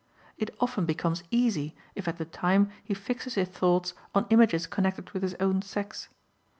It often becomes easy if at the time he fixes his thoughts on images connected with his own sex.